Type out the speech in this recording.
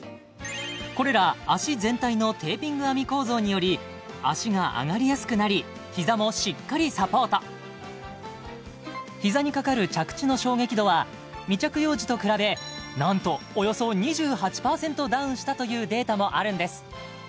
これら脚全体のテーピング編み構造により脚が上がりやすくなり膝もしっかりサポート膝にかかる着地の衝撃度は未着用時と比べなんとおよそ２８％ダウンしたというデータもあるんです